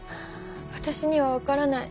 わたしには分からない。